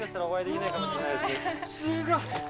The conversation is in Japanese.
すごい。